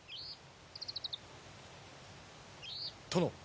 殿。